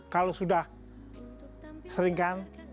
kalau sudah seringkan